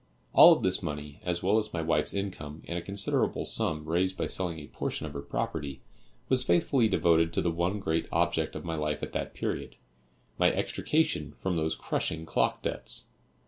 All of this money, as well as my wife's income and a considerable sum raised by selling a portion of her property, was faithfully devoted to the one great object of my life at that period my extrication from those crushing clock debts.